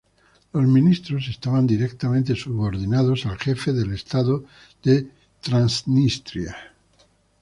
Los ministros estaban directamente subordinados al jefe del estado de Transnistria.